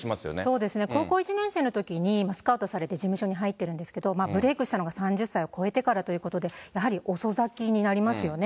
そうですね、高校１年生のときにスカウトされて事務所に入ってるんですけれども、ブレークしたのが３０歳を超えてからということで、やはり遅咲きになりますよね。